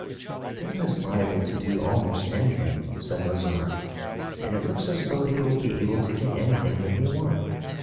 "They are liable to do almost anything," said Lazarre, "and it looks as though they will be able to get anything that they want.